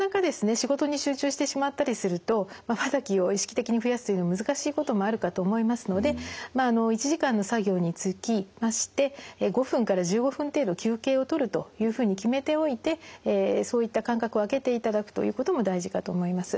仕事に集中してしまったりするとまばたきを意識的に増やすというのは難しいこともあるかと思いますのでを取るというふうに決めておいてそういった間隔をあけていただくということも大事かと思います。